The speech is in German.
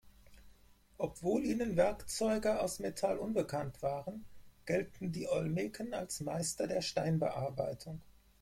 Obwohl ihnen Werkzeuge aus Metall unbekannt waren, gelten die Olmeken als Meister der Steinbearbeitung.